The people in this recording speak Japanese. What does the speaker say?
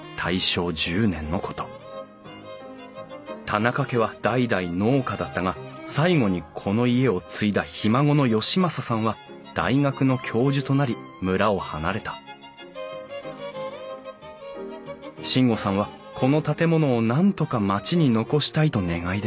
田仲家は代々農家だったが最後にこの家を継いだひ孫の可昌さんは大学の教授となり村を離れた進悟さんはこの建物をなんとか町に残したいと願い出た。